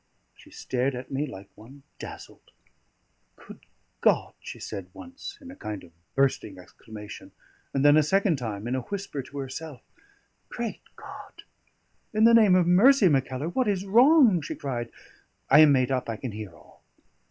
She stared at me like one dazzled. "Good God!" she said once, in a kind of bursting exclamation; and then a second time in a whisper to herself: "Great God! In the name of mercy, Mackellar, what is wrong?" she cried. "I am made up; I can hear all."